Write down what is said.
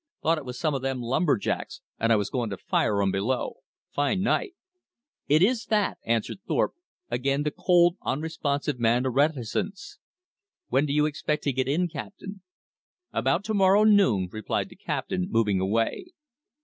"Thought it was some of them lumber jacks, and I was going to fire 'em below. Fine night." "It is that," answered Thorpe, again the cold, unresponsive man of reticence. "When do you expect to get in, Captain?" "About to morrow noon," replied the captain, moving away.